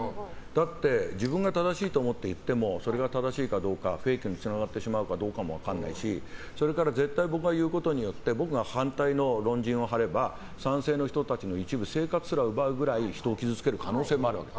だって自分が正しいと思って言ってもそれが正しいかどうかフェイクにつながってしまうかどうかも分からないしそれから絶対僕が言うことで僕が反対の論陣を張れば賛成の人たちの一部生活すら奪うくらい人を傷つける可能性もあるわけ。